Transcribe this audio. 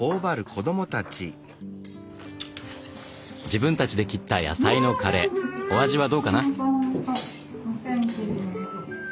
自分たちで切った野菜のカレーお味はどうかな？